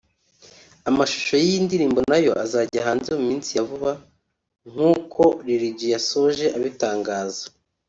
Amashusho y’iyi ndirimbo nayo azajya hanze mu minsi ya vuba nkuko Lil G yasoje abitangaza